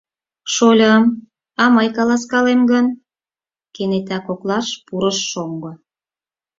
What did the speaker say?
— Шольым, а мый каласкалем гын? — кенета коклаш пурыш шоҥго.